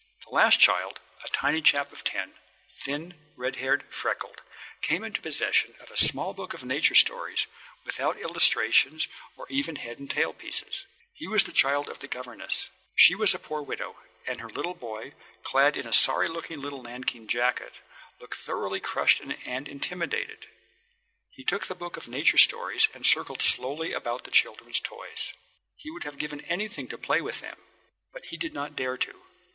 The last child, a tiny chap of ten, thin, red haired, freckled, came into possession of a small book of nature stories without illustrations or even head and tail pieces. He was the governess's child. She was a poor widow, and her little boy, clad in a sorry looking little nankeen jacket, looked thoroughly crushed and intimidated. He took the book of nature stories and circled slowly about the children's toys. He would have given anything to play with them. But he did not dare to.